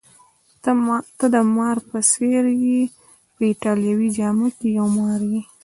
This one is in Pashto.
ته د مار په څېر يې، په ایټالوي جامه کي یو مار یې.